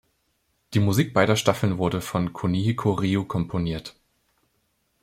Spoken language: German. Die Musik beider Staffeln wurde von Kunihiko Ryo komponiert.